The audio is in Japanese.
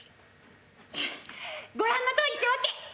ご覧のとおりってわけ。